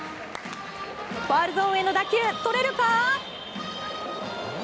ファウルゾーンへの打球とれるか。